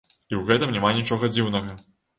І ў гэтым няма нічога дзіўнага.